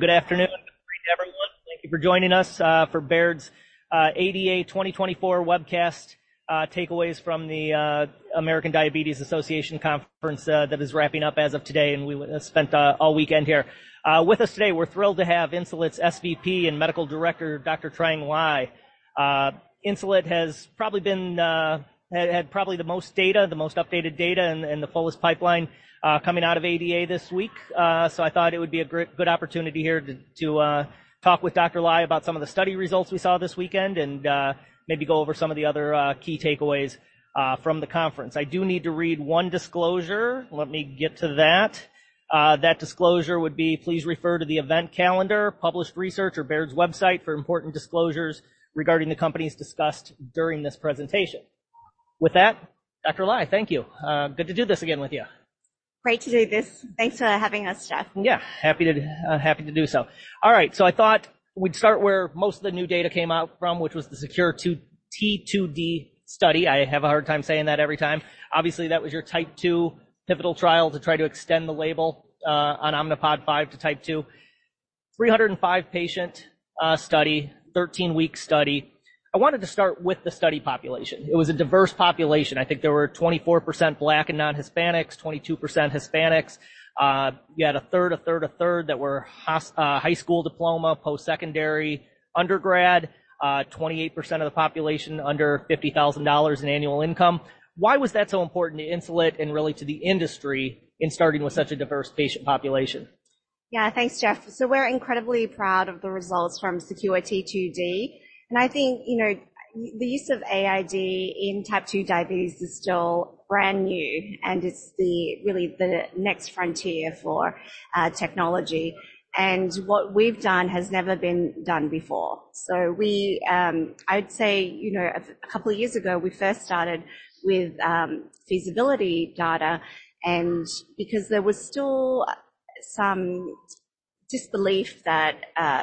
Good afternoon, everyone. Thank you for joining us for Baird's ADA 2024 webcast, takeaways from the American Diabetes Association conference that is wrapping up as of today, and we spent all weekend here. With us today, we're thrilled to have Insulet's SVP and Medical Director, Dr. Trang Ly. Insulet has probably had the most data, the most updated data, and the fullest pipeline coming out of ADA this week. So I thought it would be a good opportunity here to talk with Dr. Ly about some of the study results we saw this weekend and maybe go over some of the other key takeaways from the conference. I do need to read one disclosure. Let me get to that. That disclosure would be, "Please refer to the event calendar, published research, or Baird's website for important disclosures regarding the companies discussed during this presentation." With that, Dr. Ly, thank you. Good to do this again with you. Great to do this. Thanks for having us, Jeff. Yeah, happy to do so. All right, so I thought we'd start where most of the new data came out from, which was the SECURE-T2D study. I have a hard time saying that every time. Obviously, that was your Type 2 pivotal trial to try to extend the label on Omnipod 5 to Type 2. 305-patient study, 13-week study. I wanted to start with the study population. It was a diverse population. I think there were 24% Black and non-Hispanics, 22% Hispanics. You had a third, a third, a third that were high school diploma, post-secondary, undergrad. 28% of the population under $50,000 in annual income. Why was that so important to Insulet and really to the industry in starting with such a diverse patient population? Yeah, thanks, Jeff. So we're incredibly proud of the results from SECURE-T2D. And I think the use of AID in Type 2 diabetes is still brand new, and it's really the next frontier for technology. And what we've done has never been done before. So I would say a couple of years ago, we first started with feasibility data, and because there was still some disbelief that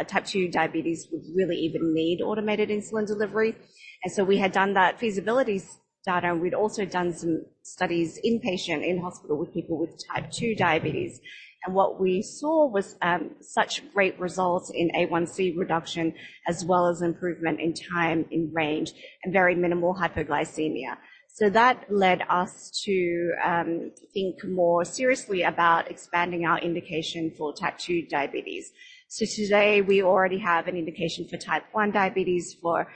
Type 2 diabetes would really even need automated insulin delivery. And so we had done that feasibility data, and we'd also done some studies inpatient in hospital with people with Type 2 diabetes. And what we saw was such great results in A1C reduction, as well as improvement in time in range and very minimal hypoglycemia. So that led us to think more seriously about expanding our indication for Type 2 diabetes. So today, we already have an indication for Type 1 diabetes for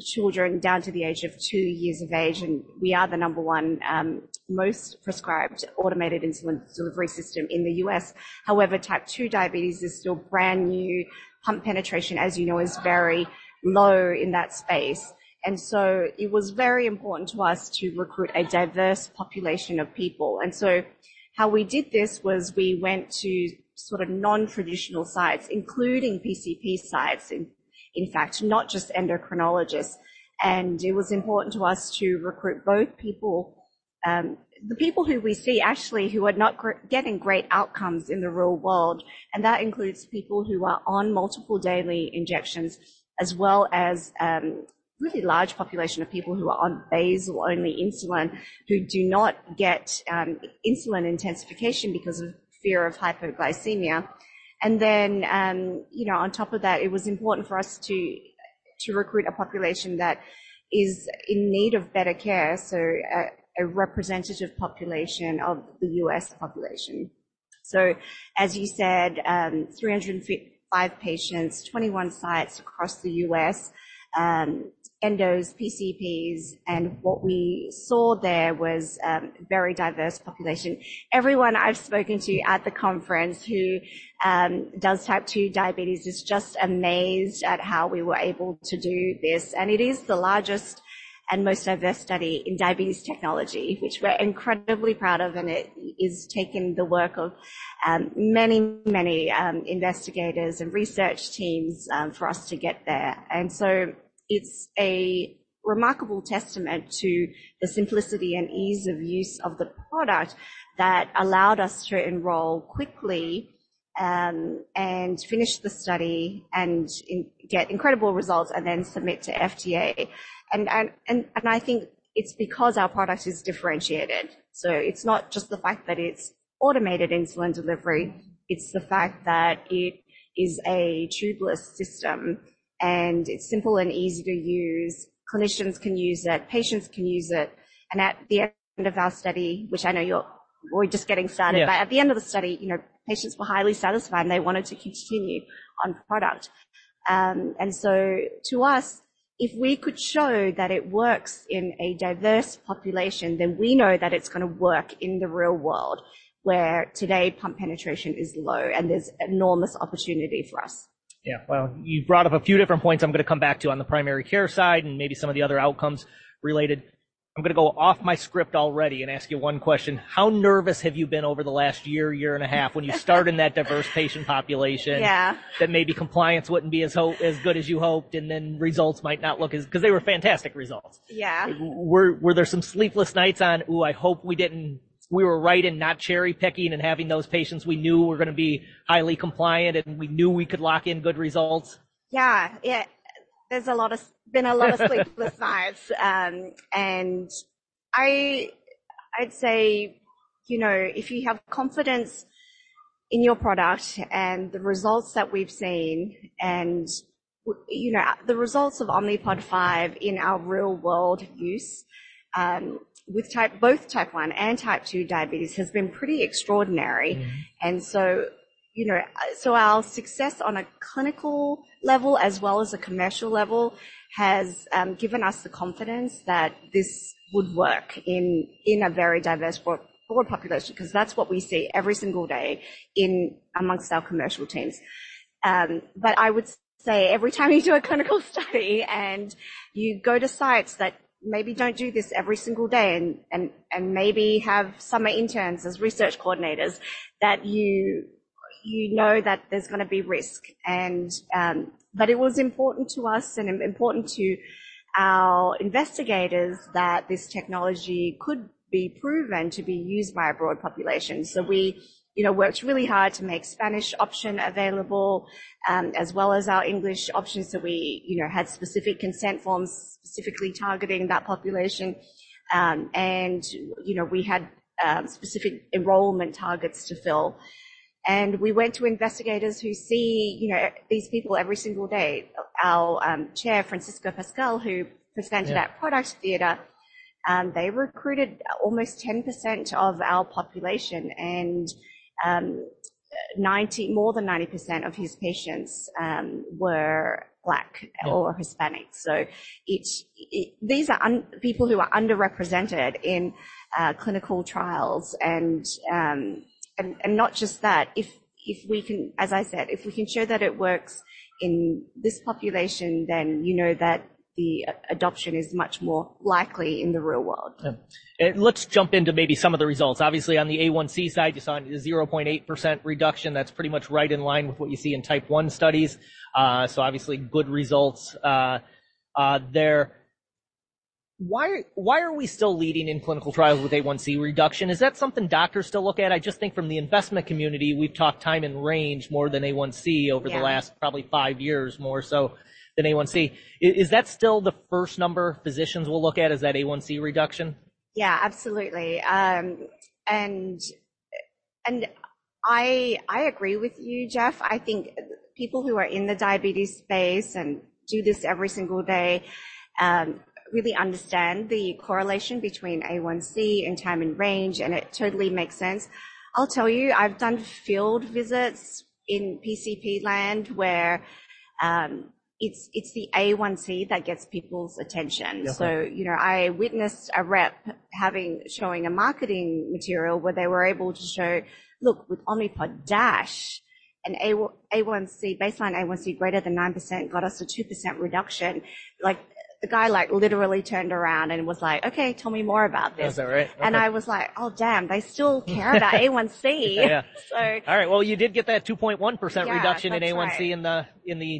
children down to the age of two years of age, and we are the number one most prescribed automated insulin delivery system in the U.S. However, Type 2 diabetes is still brand new. Pump penetration, as you know, is very low in that space. And so it was very important to us to recruit a diverse population of people. And so how we did this was we went to sort of non-traditional sites, including PCP sites, in fact, not just endocrinologists. It was important to us to recruit both people, the people who we see actually who are not getting great outcomes in the real world, and that includes people who are on multiple daily injections, as well as a really large population of people who are on basal-only insulin, who do not get insulin intensification because of fear of hypoglycemia. And then on top of that, it was important for us to recruit a population that is in need of better care, so a representative population of the U.S. population. So as you said, 305 patients, 21 sites across the U.S., endos, PCPs, and what we saw there was a very diverse population. Everyone I've spoken to at the conference who does Type 2 diabetes is just amazed at how we were able to do this. It is the largest and most diverse study in diabetes technology, which we're incredibly proud of, and it is taking the work of many, many investigators and research teams for us to get there. So it's a remarkable testament to the simplicity and ease of use of the product that allowed us to enroll quickly and finish the study and get incredible results and then submit to FDA. I think it's because our product is differentiated. So it's not just the fact that it's automated insulin delivery. It's the fact that it is a tubeless system, and it's simple and easy to use. Clinicians can use it. Patients can use it. At the end of our study, which I know we're just getting started, but at the end of the study, patients were highly satisfied, and they wanted to continue on product. And so to us, if we could show that it works in a diverse population, then we know that it's going to work in the real world, where today pump penetration is low and there's enormous opportunity for us. Yeah, well, you've brought up a few different points I'm going to come back to on the primary care side and maybe some of the other outcomes related. I'm going to go off my script already and ask you one question. How nervous have you been over the last year, year and a half when you start in that diverse patient population that maybe compliance wouldn't be as good as you hoped, and then results might not look as good? Because they were fantastic results. Yeah. Were there some sleepless nights on, "Ooh, I hope we didn't, we were right in not cherry picking and having those patients we knew were going to be highly compliant, and we knew we could lock in good results"? Yeah, yeah, there's been a lot of sleepless nights. And I'd say, you know, if you have confidence in your product and the results that we've seen, and the results of Omnipod 5 in our real-world use with both Type 1 and Type 2 diabetes has been pretty extraordinary. And so our success on a clinical level as well as a commercial level has given us the confidence that this would work in a very diverse broad population, because that's what we see every single day amongst our commercial teams. But I would say every time you do a clinical study and you go to sites that maybe don't do this every single day and maybe have summer interns as research coordinators, that you know that there's going to be risk. But it was important to us and important to our investigators that this technology could be proven to be used by a broad population. So we worked really hard to make Spanish option available, as well as our English option. So we had specific consent forms specifically targeting that population. And we had specific enrollment targets to fill. And we went to investigators who see these people every single day. Our chair, Francisco Pasquel, who presented at Product Theater, they recruited almost 10% of our population, and more than 90% of his patients were Black or Hispanic. So these are people who are underrepresented in clinical trials. And not just that. As I said, if we can show that it works in this population, then you know that the adoption is much more likely in the real world. Yeah. Let's jump into maybe some of the results. Obviously, on the A1C side, you saw a 0.8% reduction. That's pretty much right in line with what you see in Type 1 studies. So obviously, good results there. Why are we still leading in clinical trials with A1C reduction? Is that something doctors still look at? I just think from the investment community, we've talked time in range more than A1C over the last probably five years, more so than A1C. Is that still the first number physicians will look at, is that A1C reduction? Yeah, absolutely. And I agree with you, Jeff. I think people who are in the diabetes space and do this every single day really understand the correlation between A1C and time in range, and it totally makes sense. I'll tell you, I've done field visits in PCP land where it's the A1C that gets people's attention. So I witnessed a rep showing a marketing material where they were able to show, "Look, with Omnipod DASH, a baseline A1C greater than 9% got us a 2% reduction." A guy literally turned around and was like, "Okay, tell me more about this. Is that right? I was like, "Oh, damn, they still care about A1C. Yeah. All right. Well, you did get that 2.1% reduction in A1C and the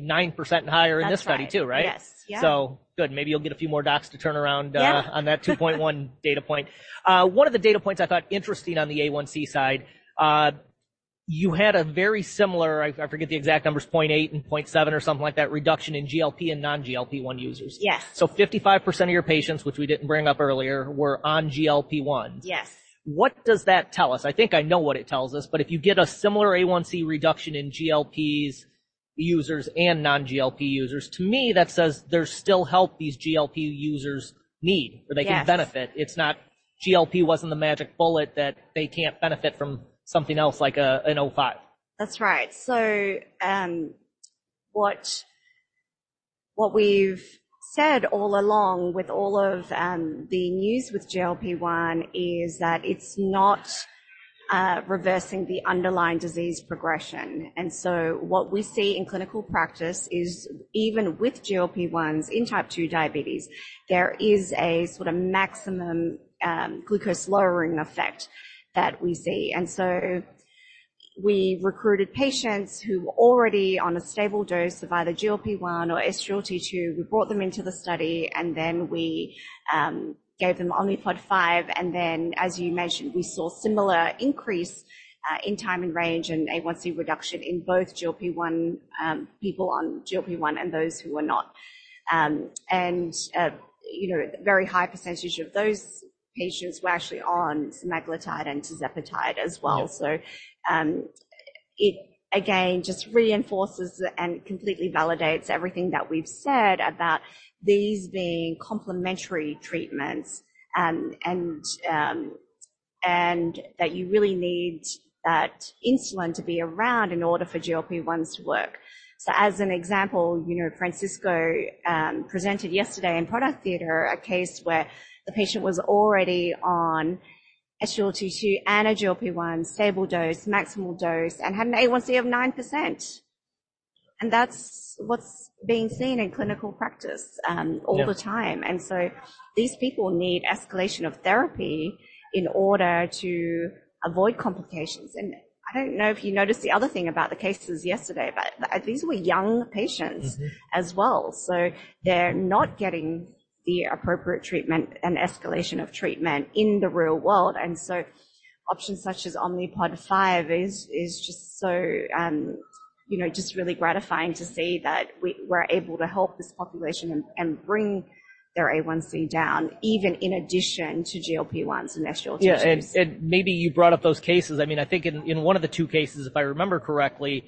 9% higher in this study too, right? Yes. So good. Maybe you'll get a few more docs to turn around on that 2.1 data point. One of the data points I thought interesting on the A1C side, you had a very similar, I forget the exact numbers, 0.8 and 0.7 or something like that, reduction in GLP and non-GLP-1 users. Yes. So 55% of your patients, which we didn't bring up earlier, were on GLP-1. Yes. What does that tell us? I think I know what it tells us, but if you get a similar A1C reduction in GLP users and non-GLP users, to me, that says there's still help these GLP users need where they can benefit. GLP wasn't the magic bullet that they can't benefit from something else like an O5. That's right. So what we've said all along with all of the news with GLP-1 is that it's not reversing the underlying disease progression. And so what we see in clinical practice is even with GLP-1s in Type 2 diabetes, there is a sort of maximum glucose lowering effect that we see. And so we recruited patients who were already on a stable dose of either GLP-1 or SGLT2. We brought them into the study, and then we gave them Omnipod 5. And then, as you mentioned, we saw similar increase in time in range and A1C reduction in both GLP-1 people on GLP-1 and those who were not. And a very high percentage of those patients were actually on semaglutide and tirzepatide as well. So it, again, just reinforces and completely validates everything that we've said about these being complementary treatments and that you really need that insulin to be around in order for GLP-1s to work. So as an example, Francisco presented yesterday in Product Theater a case where the patient was already on SGLT2 and a GLP-1 stable dose, maximal dose, and had an A1C of 9%. And that's what's being seen in clinical practice all the time. And so these people need escalation of therapy in order to avoid complications. And I don't know if you noticed the other thing about the cases yesterday, but these were young patients as well. So they're not getting the appropriate treatment and escalation of treatment in the real world. Options such as Omnipod 5 is just so just really gratifying to see that we're able to help this population and bring their A1C down, even in addition to GLP-1s and SGLT2s. Yeah. And maybe you brought up those cases. I mean, I think in one of the two cases, if I remember correctly,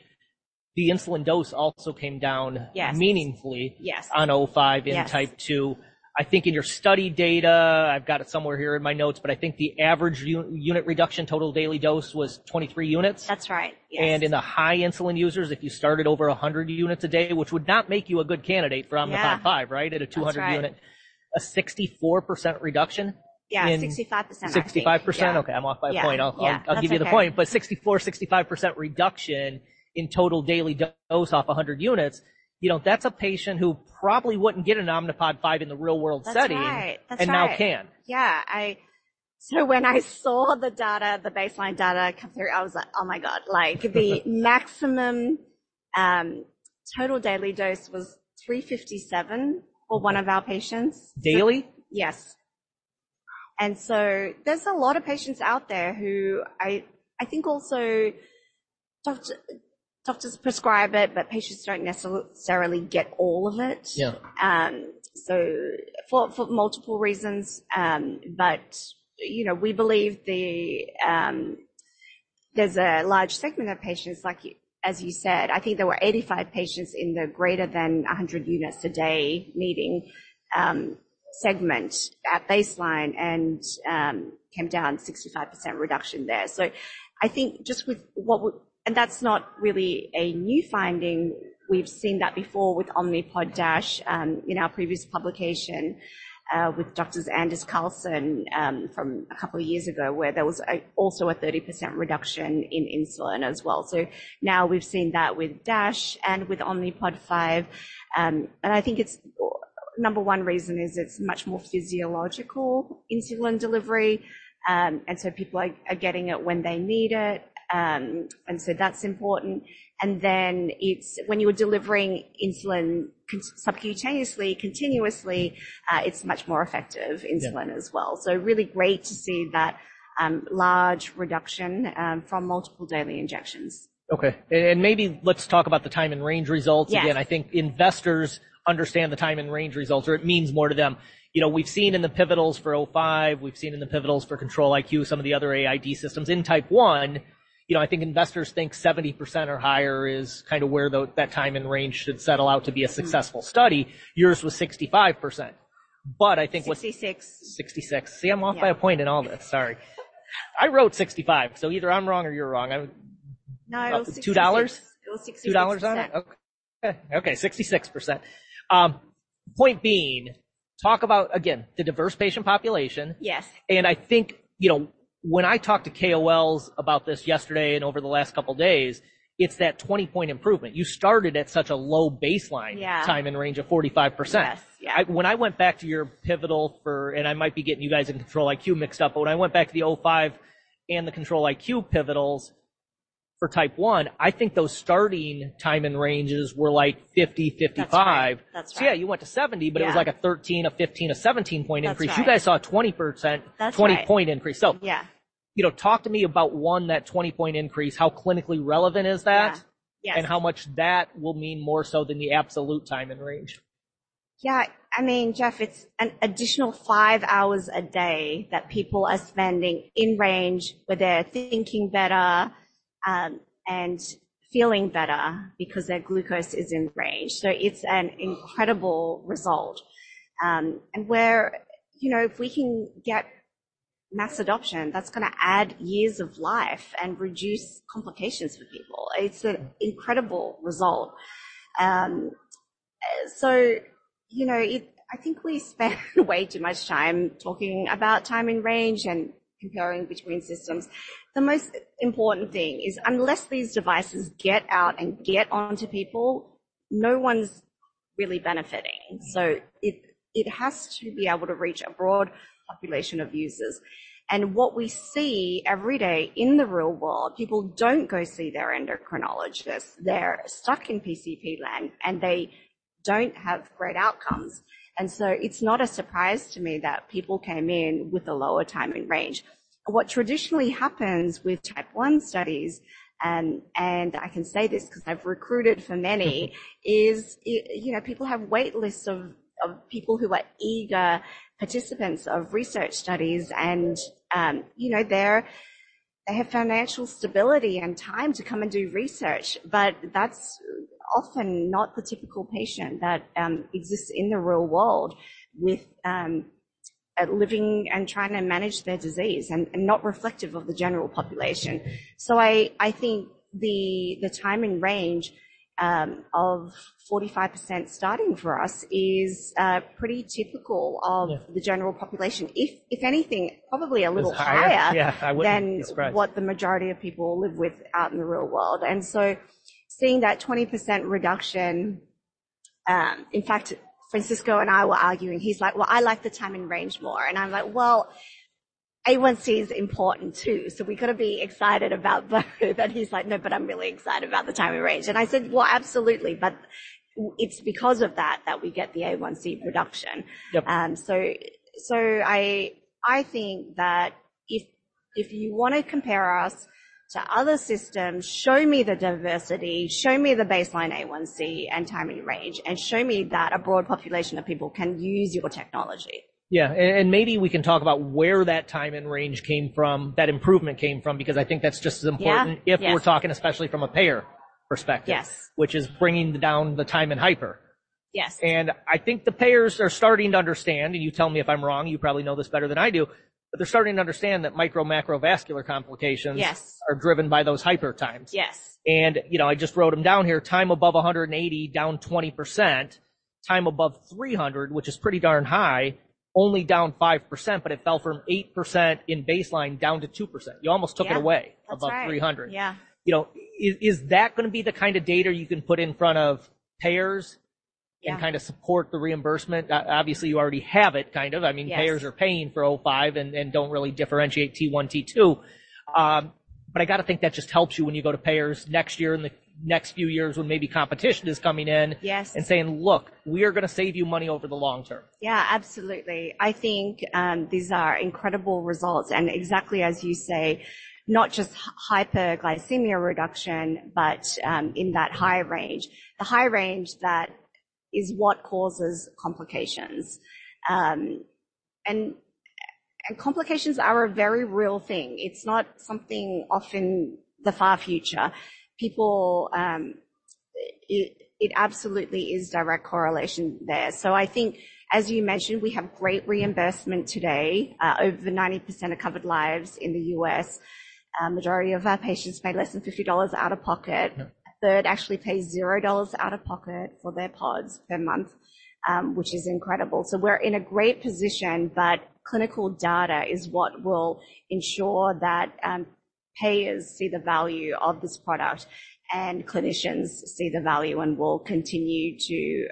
the insulin dose also came down meaningfully on O5 in Type 2. I think in your study data, I've got it somewhere here in my notes, but I think the average unit reduction total daily dose was 23 units. That's right. Yes. In the high insulin users, if you started over 100 units a day, which would not make you a good candidate for Omnipod 5, right? At a 200-unit, a 64% reduction. Yeah, 65%. 65%. Okay, I'm off by a point. I'll give you the point. But 64%-65% reduction in total daily dose off 100 units, that's a patient who probably wouldn't get an Omnipod 5 in the real world setting and now can. Yeah. When I saw the data, the baseline data, I was like, "Oh my God." The maximum total daily dose was 357 for one of our patients. Daily? Yes. And so there's a lot of patients out there who I think also doctors prescribe it, but patients don't necessarily get all of it. So for multiple reasons. But we believe there's a large segment of patients, as you said. I think there were 85 patients in the greater than 100 units a day meeting segment at baseline and came down 65% reduction there. So I think just with what and that's not really a new finding. We've seen that before with Omnipod DASH in our previous publication with Dr. Anders Carlson from a couple of years ago, where there was also a 30% reduction in insulin as well. So now we've seen that with DASH and with Omnipod 5. And I think number one reason is it's much more physiological insulin delivery. And so people are getting it when they need it. And so that's important. Then when you're delivering insulin subcutaneously, continuously, it's much more effective insulin as well. Really great to see that large reduction from multiple daily injections. Okay. Maybe let's talk about the time in range results. Again, I think investors understand the time in range results or it means more to them. We've seen in the pivotals for O5, we've seen in the pivotals for Control-IQ, some of the other AID systems in Type 1. I think investors think 70% or higher is kind of where that time in range should settle out to be a successful study. Yours was 65%. But I think. 66. See, I'm off by a point in all this. Sorry. I wrote 65. So either I'm wrong or you're wrong. No, it was 66. $2? $2 on it? Okay. Okay, 66%. Point being, talk about, again, the diverse patient population. I think when I talked to KOLs about this yesterday and over the last couple of days, it's that 20-point improvement. You started at such a low baseline time and range of 45%. When I went back to your pivotal for, and I might be getting you guys in Control-IQ mixed up, but when I went back to the O5 and the Control-IQ pivotals for Type 1, I think those starting time and ranges were like 50%, 55%. So yeah, you went to 70%, but it was like a 13, a 15, a 17-point increase. You guys saw a 20-point increase. So talk to me about one, that 20-point increase, how clinically relevant is that and how much that will mean more so than the absolute time and range. Yeah. I mean, Jeff, it's an additional 5 hours a day that people are spending in range where they're thinking better and feeling better because their glucose is in range. So it's an incredible result. And where if we can get mass adoption, that's going to add years of life and reduce complications for people. It's an incredible result. So I think we spent way too much time talking about time in range and comparing between systems. The most important thing is unless these devices get out and get onto people, no one's really benefiting. So it has to be able to reach a broad population of users. And what we see every day in the real world, people don't go see their endocrinologist. They're stuck in PCP land and they don't have great outcomes. And so it's not a surprise to me that people came in with a lower time in range. What traditionally happens with Type 1 studies, and I can say this because I've recruited for many, is people have waitlists of people who are eager participants of research studies. And they have financial stability and time to come and do research, but that's often not the typical patient that exists in the real world with living and trying to manage their disease and not reflective of the general population. So I think the time in range of 45% starting for us is pretty typical of the general population. If anything, probably a little higher than what the majority of people live with out in the real world. And so seeing that 20% reduction, in fact, Francisco and I were arguing. He's like, "Well, I like the time and range more." And I'm like, "Well, A1C is important too. So we've got to be excited about both." And he's like, "No, but I'm really excited about the time and range." And I said, "Well, absolutely. But it's because of that that we get the A1C reduction." So I think that if you want to compare us to other systems, show me the diversity, show me the baseline A1C and time and range, and show me that a broad population of people can use your technology. Yeah. And maybe we can talk about where that time and range came from, that improvement came from, because I think that's just as important if we're talking especially from a payer perspective, which is bringing down the time and hyper. And I think the payers are starting to understand, and you tell me if I'm wrong, you probably know this better than I do, but they're starting to understand that micro and macrovascular complications are driven by those hyper times. And I just wrote them down here. Time above 180, down 20%. Time above 300, which is pretty darn high, only down 5%, but it fell from 8% in baseline down to 2%. You almost took it away above 300. Is that going to be the kind of data you can put in front of payers and kind of support the reimbursement? Obviously, you already have it kind of. I mean, payers are paying for O5 and don't really differentiate T1, T2. But I got to think that just helps you when you go to payers next year and the next few years when maybe competition is coming in and saying, "Look, we are going to save you money over the long term. Yeah, absolutely. I think these are incredible results. And exactly as you say, not just hyperglycemia reduction, but in that high range. The high range that is what causes complications. And complications are a very real thing. It's not something often the far future. It absolutely is direct correlation there. So I think, as you mentioned, we have great reimbursement today. Over 90% of covered lives in the U.S., the majority of our patients pay less than $50 out of pocket. A third actually pays $0 out of pocket for their pods per month, which is incredible. So we're in a great position, but clinical data is what will ensure that payers see the value of this product and clinicians see the value and will continue to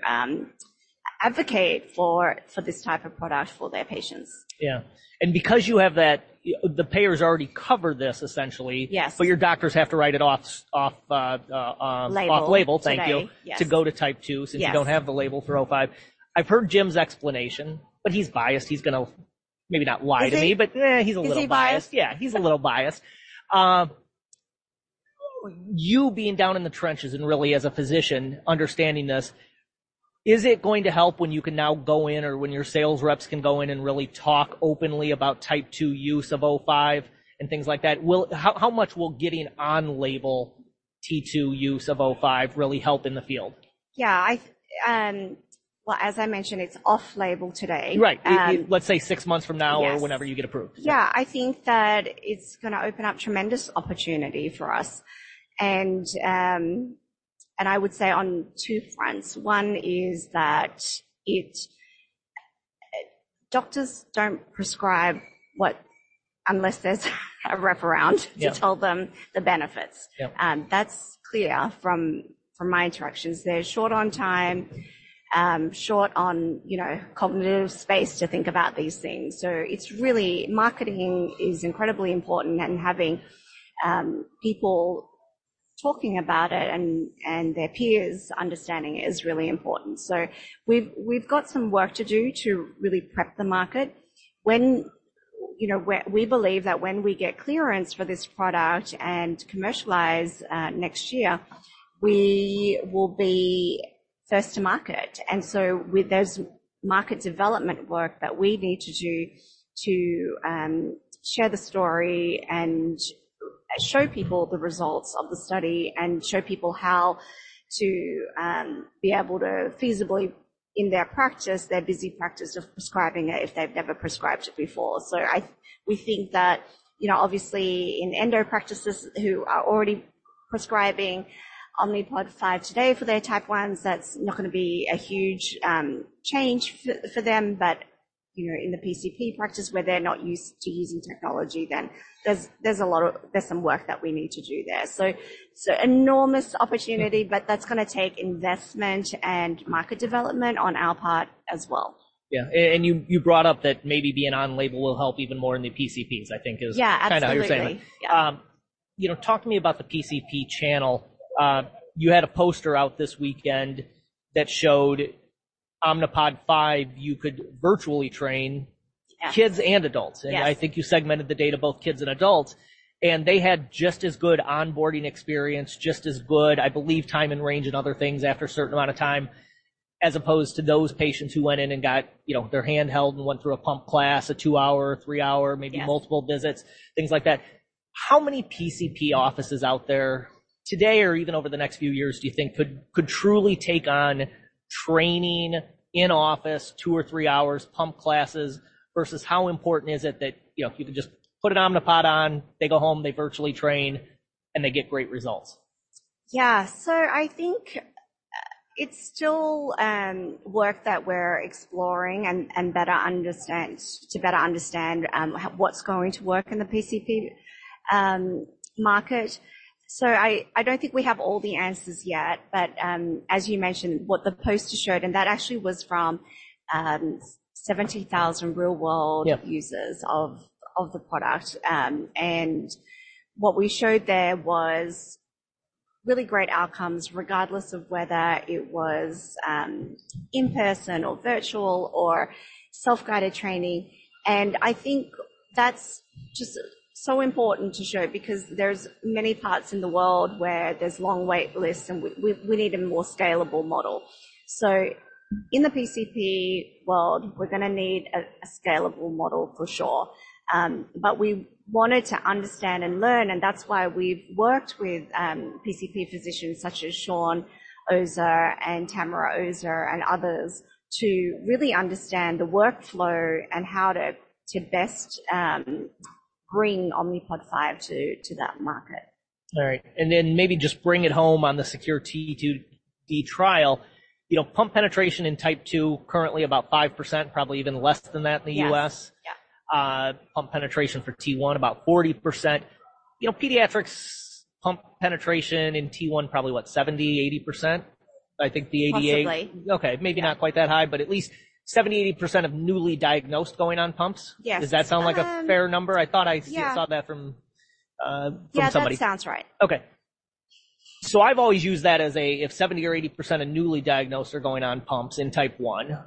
advocate for this type of product for their patients. Yeah. And because you have that, the payers already cover this, essentially, but your doctors have to write it off. Label. Off-label. Thank you. To go to Type 2 since you don't have the label for O5. I've heard Jim's explanation, but he's biased. He's going to maybe not lie to me, but he's a little biased. Yeah, he's a little biased. You being down in the trenches and really as a physician understanding this, is it going to help when you can now go in or when your sales reps can go in and really talk openly about Type 2 use of O5 and things like that? How much will getting on-label T2 use of O5 really help in the field? Yeah. Well, as I mentioned, it's off-label today. Right. Let's say 6 months from now or whenever you get approved. Yeah. I think that it's going to open up tremendous opportunity for us. And I would say on two fronts. One is that doctors don't prescribe unless there's a wraparound to tell them the benefits. That's clear from my interactions. They're short on time, short on cognitive space to think about these things. So it's really marketing is incredibly important and having people talking about it and their peers understanding it is really important. So we've got some work to do to really prep the market. We believe that when we get clearance for this product and commercialize next year, we will be first to market. So there's market development work that we need to do to share the story and show people the results of the study and show people how to be able to feasibly in their practice, their busy practice of prescribing it if they've never prescribed it before. So we think that obviously in endo practices who are already prescribing Omnipod 5 today for their Type 1s, that's not going to be a huge change for them. But in the PCP practice where they're not used to using technology, then there's some work that we need to do there. Enormous opportunity, but that's going to take investment and market development on our part as well. Yeah. And you brought up that maybe being on label will help even more in the PCPs, I think is kind of what you're saying. Talk to me about the PCP channel. You had a poster out this weekend that showed Omnipod 5, you could virtually train kids and adults. And I think you segmented the data, both kids and adults. And they had just as good onboarding experience, just as good, I believe, time in range and other things after a certain amount of time, as opposed to those patients who went in and got their hand-held and went through a pump class, a 2-hour, 3-hour, maybe multiple visits, things like that. How many PCP offices out there today or even over the next few years, do you think could truly take on training in office, 2 or 3 hours, pump classes versus how important is it that you can just put an Omnipod on, they go home, they virtually train, and they get great results? Yeah. So I think it's still work that we're exploring to better understand what's going to work in the PCP market. So I don't think we have all the answers yet, but as you mentioned, what the poster showed, and that actually was from 70,000 real-world users of the product. And what we showed there was really great outcomes regardless of whether it was in-person or virtual or self-guided training. And I think that's just so important to show because there's many parts in the world where there's long waitlists and we need a more scalable model. So in the PCP world, we're going to need a scalable model for sure. But we wanted to understand and learn, and that's why we've worked with PCP physicians such as Sean Oser and Tamara Oser and others to really understand the workflow and how to best bring Omnipod 5 to that market. All right. And then maybe just bring it home on the SECURE-T2D trial. Pump penetration in Type 2 currently about 5%, probably even less than that in the U.S. Pump penetration for T1 about 40%. Pediatrics pump penetration in T1 probably what, 70%-80%? I think the ADA. Possibly. Okay. Maybe not quite that high, but at least 70%-80% of newly diagnosed going on pumps. Does that sound like a fair number? I thought I saw that from somebody. Yeah. That sounds right. Okay. So I've always used that as a, if 70% or 80% of newly diagnosed are going on pumps in Type 1,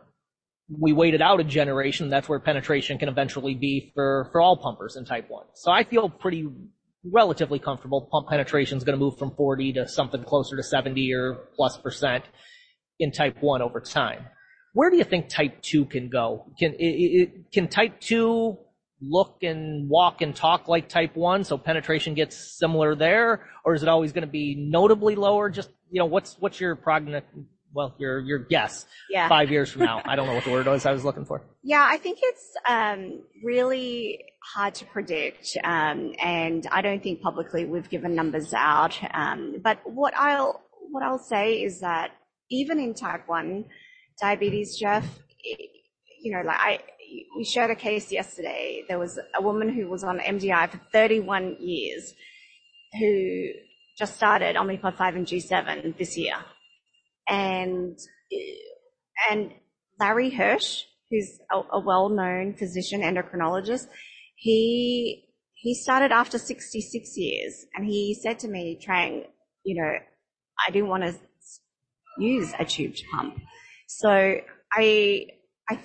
we waited out a generation. That's where penetration can eventually be for all pumpers in Type 1. So I feel pretty relatively comfortable pump penetration is going to move from 40 to something closer to 70% or plus in Type 1 over time. Where do you think Type 2 can go? Can Type 2 look and walk and talk like Type 1? So penetration gets similar there, or is it always going to be notably lower? Just what's your guess 5 years from now? I don't know what the word was I was looking for. Yeah. I think it's really hard to predict. I don't think publicly we've given numbers out. But what I'll say is that even in Type 1 diabetes, Jeff, we showed a case yesterday. There was a woman who was on MDI for 31 years who just started Omnipod 5 and G7 this year. And Larry Hirsch, who's a well-known physician Endocrinologist, he started after 66 years. And he said to me, "Trang, I didn't want to use a tube to pump." So I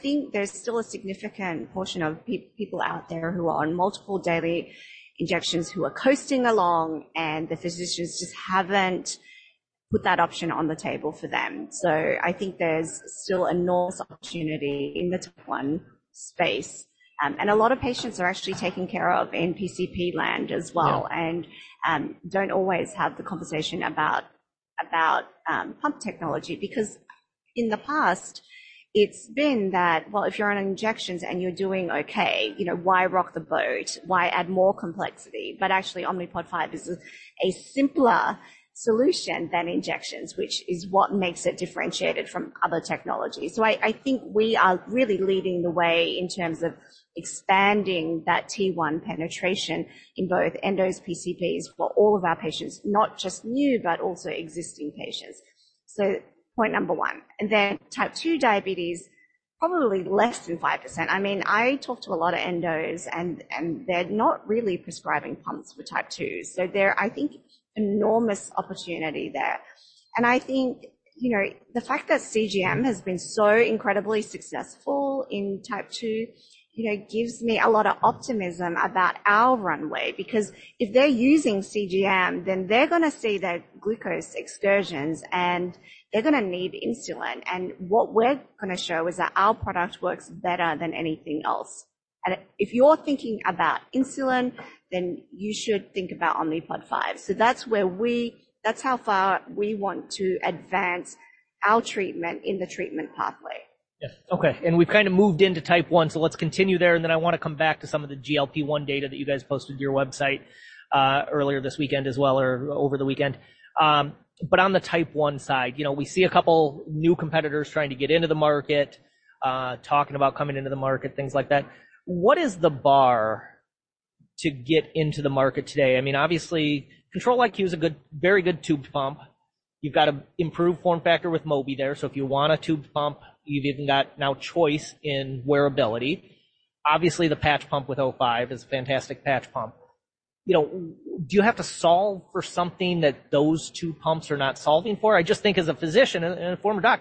think there's still a significant portion of people out there who are on multiple daily injections who are coasting along, and the physicians just haven't put that option on the table for them. So I think there's still enormous opportunity in the Type 1 space. A lot of patients are actually taken care of in PCP land as well and don't always have the conversation about pump technology because in the past, it's been that, well, if you're on injections and you're doing okay, why rock the boat? Why add more complexity? But actually, Omnipod 5 is a simpler solution than injections, which is what makes it differentiated from other technologies. So I think we are really leading the way in terms of expanding that T1 penetration in both endos and PCPs for all of our patients, not just new, but also existing patients. So point number one. And then Type 2 diabetes, probably less than 5%. I mean, I talk to a lot of endos, and they're not really prescribing pumps for Type 2. So there I think enormous opportunity there. I think the fact that CGM has been so incredibly successful in Type 2 gives me a lot of optimism about our runway because if they're using CGM, then they're going to see their glucose excursions and they're going to need insulin. What we're going to show is that our product works better than anything else. If you're thinking about insulin, then you should think about Omnipod 5. That's how far we want to advance our treatment in the treatment pathway. Yes. Okay. And we've kind of moved into Type 1. So let's continue there. And then I want to come back to some of the GLP-1 data that you guys posted to your website earlier this weekend as well or over the weekend. But on the Type 1 side, we see a couple of new competitors trying to get into the market, talking about coming into the market, things like that. What is the bar to get into the market today? I mean, obviously, Control-IQ is a very good tube pump. You've got to improve form factor with Mobi there. So if you want a tube pump, you've even got now choice in wearability. Obviously, the patch pump with O5 is a fantastic patch pump. Do you have to solve for something that those two pumps are not solving for? I just think as a physician and a former doc,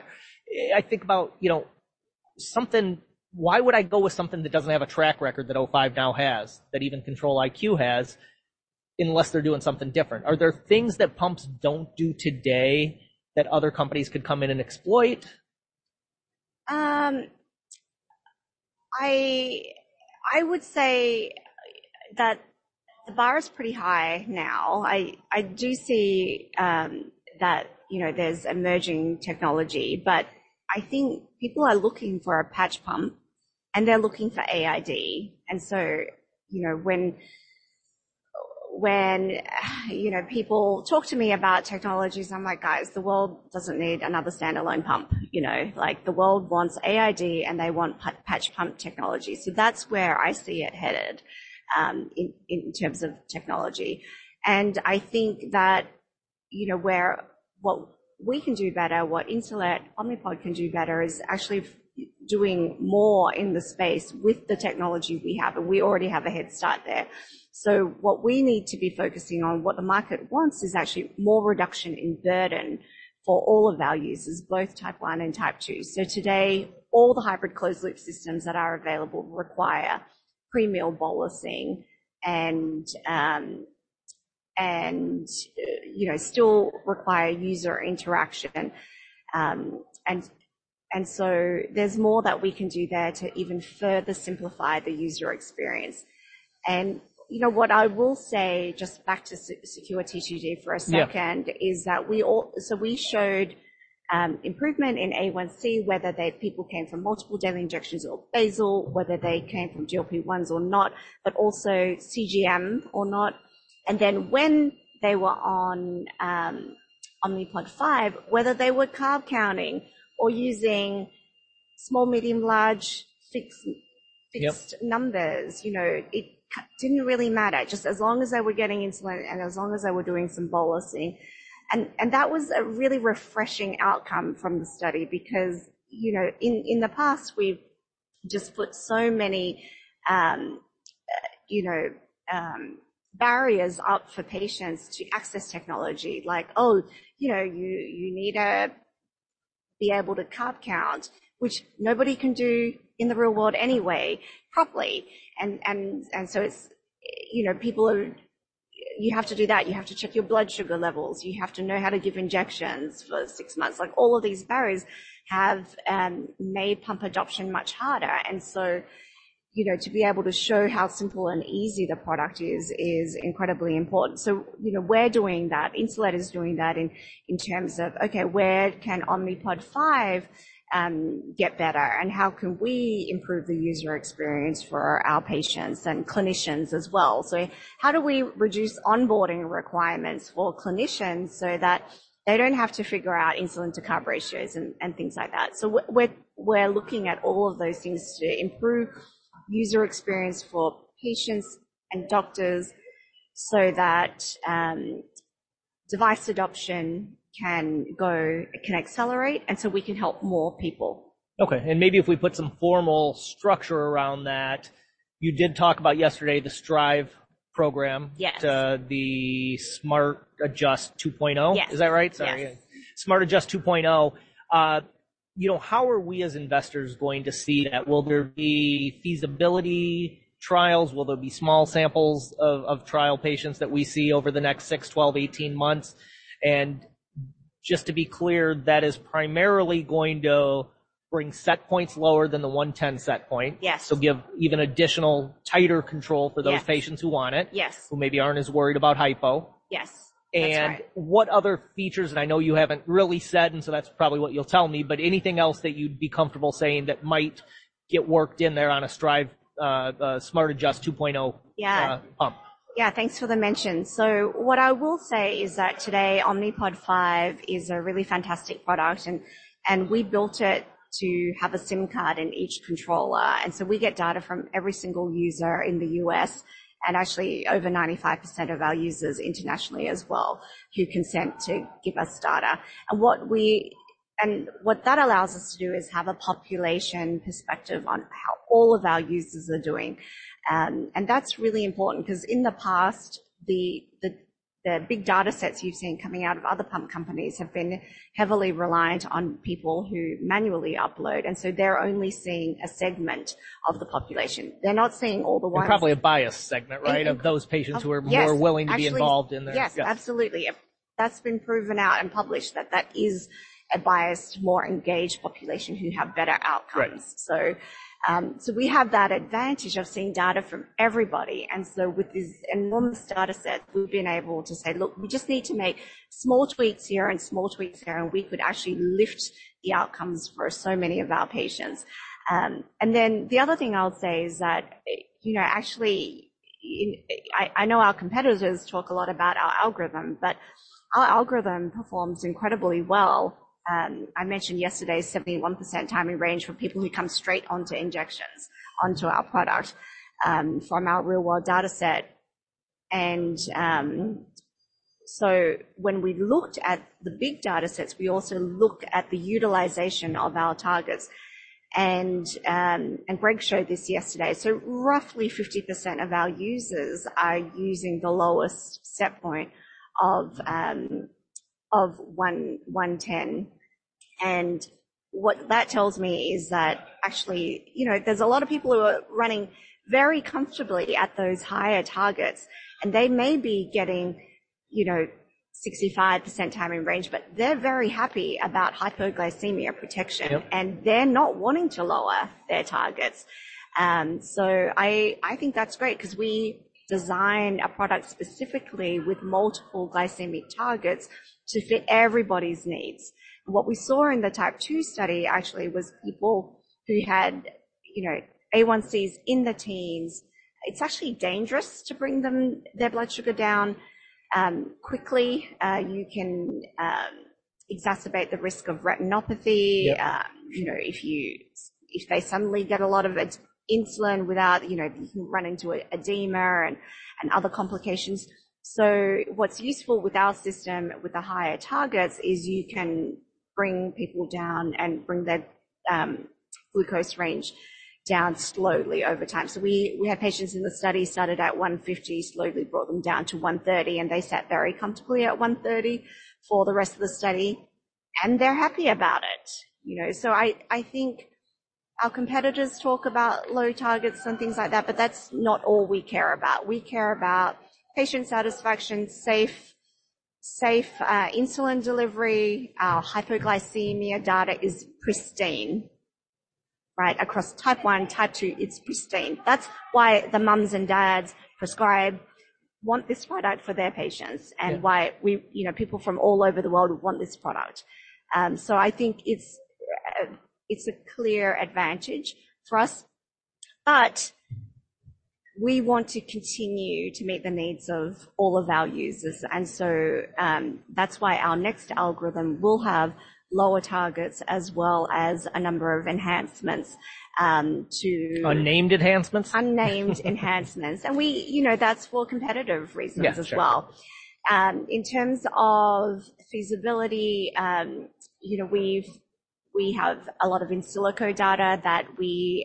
I think about something, why would I go with something that doesn't have a track record that O5 now has, that even Control-IQ has, unless they're doing something different? Are there things that pumps don't do today that other companies could come in and exploit? I would say that the bar is pretty high now. I do see that there's emerging technology, but I think people are looking for a patch pump and they're looking for AID. And so when people talk to me about technologies, I'm like, "Guys, the world doesn't need another standalone pump. The world wants AID and they want patch pump technology." So that's where I see it headed in terms of technology. And I think that what we can do better, what Insulet Omnipod can do better is actually doing more in the space with the technology we have. And we already have a head start there. So what we need to be focusing on, what the market wants is actually more reduction in burden for all of our users, both Type 1 and Type 2. So today, all the hybrid closed-loop systems that are available require premeal bolusing and still require user interaction. And so there's more that we can do there to even further simplify the user experience. And what I will say just back to SECURE-T2D for a second is that we showed improvement in A1C, whether people came from multiple daily injections or basal, whether they came from GLP-1s or not, but also CGM or not. And then when they were on Omnipod 5, whether they were carb counting or using small, medium, large fixed numbers, it didn't really matter just as long as they were getting insulin and as long as they were doing some bolusing. And that was a really refreshing outcome from the study because in the past, we've just put so many barriers up for patients to access technology. Like, "Oh, you need to be able to carb count," which nobody can do in the real world anyway properly. And so people are, "You have to do that. You have to check your blood sugar levels. You have to know how to give injections for six months." All of these barriers have made pump adoption much harder. And so to be able to show how simple and easy the product is, is incredibly important. So we're doing that. Insulet is doing that in terms of, "Okay, where can Omnipod 5 get better? And how can we improve the user experience for our patients and clinicians as well?" So how do we reduce onboarding requirements for clinicians so that they don't have to figure out insulin-to-carb ratios and things like that? We're looking at all of those things to improve user experience for patients and doctors so that device adoption can accelerate and so we can help more people. Okay. Maybe if we put some formal structure around that, you did talk about yesterday the STRIVE program, the SmartAdjust 2.0. Is that right? Yes. Sorry. SmartAdjust 2.0. How are we as investors going to see that? Will there be feasibility trials? Will there be small samples of trial patients that we see over the next 6, 12, 18 months? And just to be clear, that is primarily going to bring set points lower than the 110 set point. So give even additional tighter control for those patients who want it, who maybe aren't as worried about hypo. Yes. That's right. What other features? And I know you haven't really said, and so that's probably what you'll tell me, but anything else that you'd be comfortable saying that might get worked in there on a STRIVE SmartAdjust 2.0 pump? Yeah. Thanks for the mention. So what I will say is that today, Omnipod 5 is a really fantastic product. And we built it to have a SIM card in each controller. And so we get data from every single user in the U.S. and actually over 95% of our users internationally as well who consent to give us data. And what that allows us to do is have a population perspective on how all of our users are doing. And that's really important because in the past, the big data sets you've seen coming out of other pump companies have been heavily reliant on people who manually upload. And so they're only seeing a segment of the population. They're not seeing all the ones. They're probably a biased segment, right, of those patients who are more willing to be involved in their tests. Yes. Absolutely. That's been proven out and published that that is a biased, more engaged population who have better outcomes. So we have that advantage of seeing data from everybody. And so with this enormous data set, we've been able to say, "Look, we just need to make small tweaks here and small tweaks here, and we could actually lift the outcomes for so many of our patients." And then the other thing I'll say is that actually, I know our competitors talk a lot about our algorithm, but our algorithm performs incredibly well. I mentioned yesterday 71% time in range for people who come straight from injections onto our product from our real-world data set. And so when we looked at the big data sets, we also look at the utilization of our targets. And Greg showed this yesterday. So roughly 50% of our users are using the lowest set point of 110. And what that tells me is that actually there's a lot of people who are running very comfortably at those higher targets, and they may be getting 65% time in range, but they're very happy about hypoglycemia protection, and they're not wanting to lower their targets. So I think that's great because we designed a product specifically with multiple glycemic targets to fit everybody's needs. What we saw in the Type 2 study actually was people who had A1Cs in the teens. It's actually dangerous to bring their blood sugar down quickly. You can exacerbate the risk of retinopathy if they suddenly get a lot of insulin without, you can run into edema and other complications. So what's useful with our system with the higher targets is you can bring people down and bring their glucose range down slowly over time. So we have patients in the study started at 150, slowly brought them down to 130, and they sat very comfortably at 130 for the rest of the study, and they're happy about it. So I think our competitors talk about low targets and things like that, but that's not all we care about. We care about patient satisfaction, safe insulin delivery. Our hypoglycemia data is pristine, right? Across Type 1, Type 2, it's pristine. That's why the moms and dads prescribe want this product for their patients and why people from all over the world want this product. So I think it's a clear advantage for us, but we want to continue to meet the needs of all of our users. And so that's why our next algorithm will have lower targets as well as a number of enhancements to. Unnamed enhancements? Unnamed enhancements. That's for competitive reasons as well. In terms of feasibility, we have a lot of in silico data that we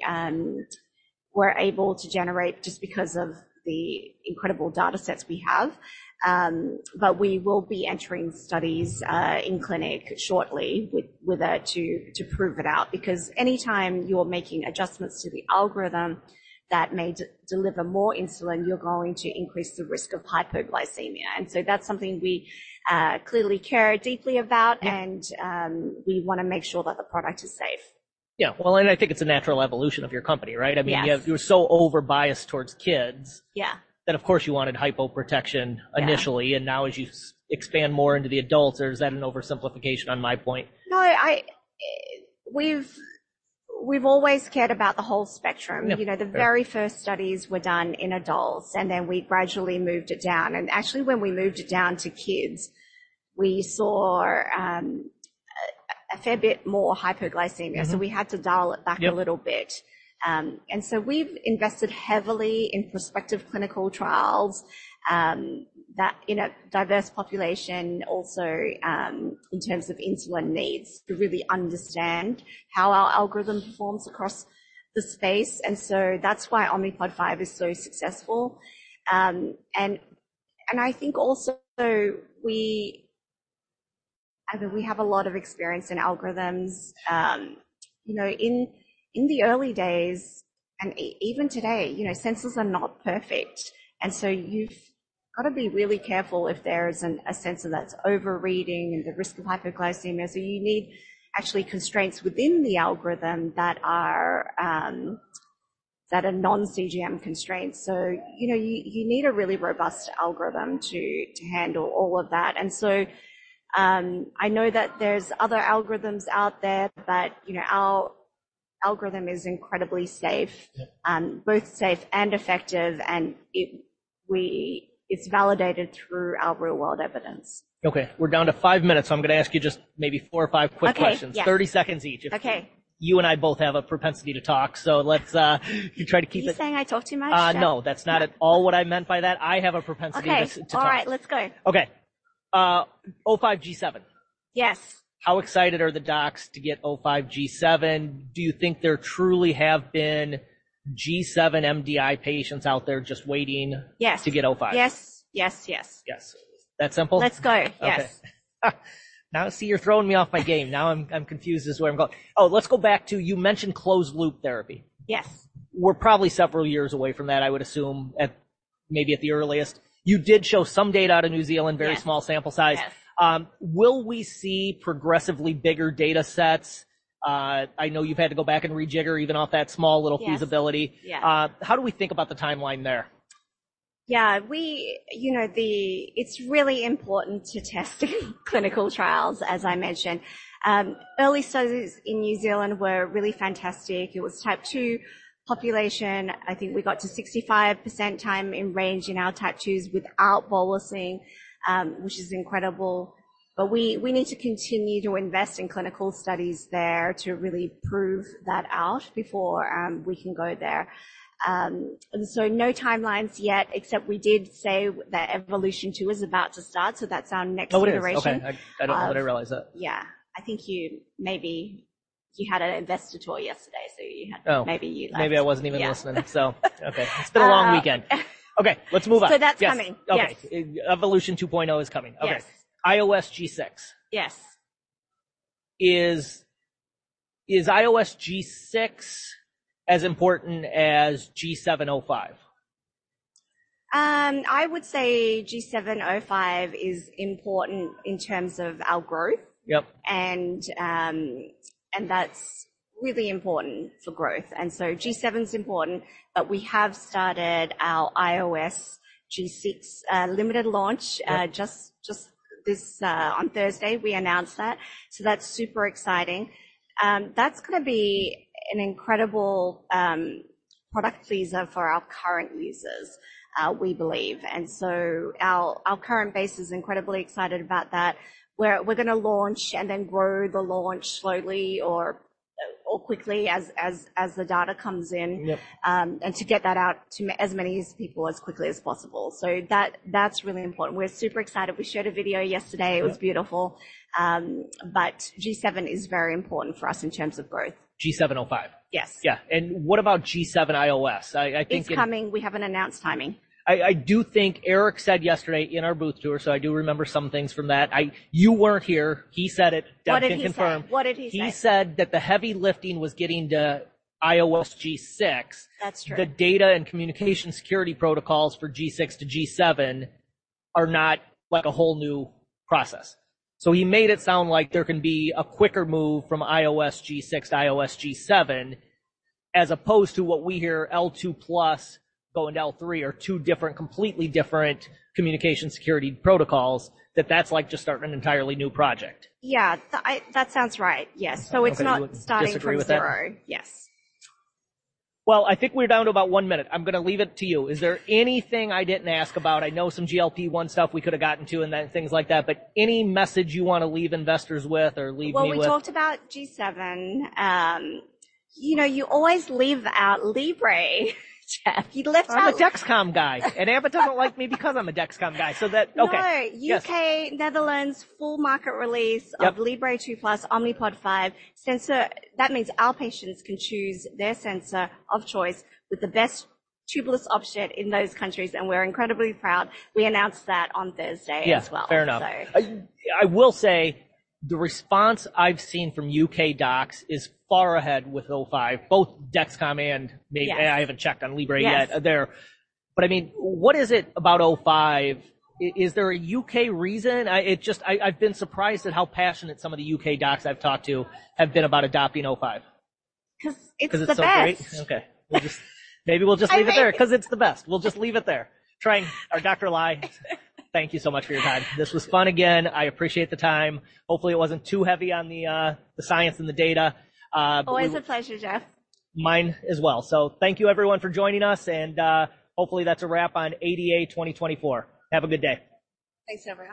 were able to generate just because of the incredible data sets we have. We will be entering studies in clinic shortly with her to prove it out because anytime you're making adjustments to the algorithm that may deliver more insulin, you're going to increase the risk of hypoglycemia. So that's something we clearly care deeply about, and we want to make sure that the product is safe. Yeah. Well, I think it's a natural Evolution of your company, right? I mean, you were so over-biased towards kids that, of course, you wanted hypo protection initially. And now as you expand more into the adults, or is that an oversimplification on my point? No. We've always cared about the whole spectrum. The very first studies were done in adults, and then we gradually moved it down. And actually, when we moved it down to kids, we saw a fair bit more hypoglycemia. So we had to dial it back a little bit. And so we've invested heavily in prospective clinical trials that in a diverse population also in terms of insulin needs to really understand how our algorithm performs across the space. And so that's why Omnipod 5 is so successful. And I think also we have a lot of experience in algorithms. In the early days and even today, sensors are not perfect. And so you've got to be really careful if there is a sensor that's overreading and the risk of hypoglycemia. So you need actually constraints within the algorithm that are non-CGM constraints. So you need a really robust algorithm to handle all of that. And so I know that there's other algorithms out there, but our algorithm is incredibly safe, both safe and effective, and it's validated through our real-world evidence. Okay. We're down to 5 minutes. So I'm going to ask you just maybe 4 or 5 quick questions, 30 seconds each. You and I both have a propensity to talk, so let's try to keep it. Are you saying I talk too much? No, that's not at all what I meant by that. I have a propensity to talk. Okay. All right. Let's go. Okay. O5 G7. Yes. How excited are the docs to get O5 G7? Do you think there truly have been G7 MDI patients out there just waiting to get O5? Yes. Yes. Yes. Yes. That simple? Let's go. Yes. Okay. Now I see you're throwing me off my game. Now I'm confused as to where I'm going. Oh, let's go back to you mentioned closed-loop therapy. Yes. We're probably several years away from that, I would assume, maybe at the earliest. You did show some data out of New Zealand, very small sample size. Will we see progressively bigger data sets? I know you've had to go back and rejigger even off that small little feasibility. How do we think about the timeline there? Yeah. It's really important to test clinical trials, as I mentioned. Early studies in New Zealand were really fantastic. It was Type 2 population. I think we got to 65% time in range in our Type 2s without bolusing, which is incredible. But we need to continue to invest in clinical studies there to really prove that out before we can go there. And so no timelines yet, except we did say that Evolution 2 is about to start. So that's our next iteration. I didn't realize that. Yeah. I think you maybe had an investor tour yesterday, so maybe you like. Maybe I wasn't even listening. So, okay. It's been a long weekend. Okay. Let's move on. That's coming. Okay. Evolution 2.0 is coming. Okay. iOS G6. Yes. Is iOS G6 as important as G7? I would say G7 is important in terms of our growth. That's really important for growth. G7 is important, but we have started our iOS G6 limited launch just on Thursday. We announced that. So that's super exciting. That's going to be an incredible product teaser for our current users, we believe. Our current base is incredibly excited about that. We're going to launch and then grow the launch slowly or quickly as the data comes in and to get that out to as many people as quickly as possible. So that's really important. We're super excited. We showed a video yesterday. It was beautiful. But G7 is very important for us in terms of growth. G7 O5. Yes. Yeah. What about G7 iOS? I think. It's coming. We haven't announced timing. I do think Eric said yesterday in our booth tour, so I do remember some things from that. You weren't here. He said it. What did he say? He said that the heavy lifting was getting to iOS G6. That's true. The data and communication security protocols for G6 to G7 are not a whole new process. So he made it sound like there can be a quicker move from iOS G6 to iOS G7 as opposed to what we hear L2 plus going to L3 are two completely different communication security protocols, that that's like just starting an entirely new project. Yeah. That sounds right. Yes. So it's not starting from zero. I disagree with that. Yes. Well, I think we're down to about one minute. I'm going to leave it to you. Is there anything I didn't ask about? I know some GLP-1 stuff we could have gotten to and then things like that, but any message you want to leave investors with or leave me with? Well, we talked about G7. You always leave out Libre. I'm a Dexcom guy, and Amber doesn't like me because I'm a Dexcom guy. So that, okay. No, U.K., Netherlands, full market release of FreeStyle Libre 2 Plus Omnipod 5. That means our patients can choose their sensor of choice with the best tubeless option in those countries. And we're incredibly proud. We announced that on Thursday as well. Yeah. Fair enough. I will say the response I've seen from U.K. docs is far ahead with O5, both Dexcom and maybe I haven't checked on Libre yet. But I mean, what is it about O5? Is there a U.K. reason? I've been surprised at how passionate some of the U.K. docs I've talked to have been about adopting O5. Because it's the best. Okay. Maybe we'll just leave it there because it's the best. We'll just leave it there. Dr. Ly, thank you so much for your time. This was fun again. I appreciate the time. Hopefully, it wasn't too heavy on the science and the data. Always a pleasure, Jeff. Mine as well. So thank you, everyone, for joining us. And hopefully, that's a wrap on ADA 2024. Have a good day. Thanks, everyone.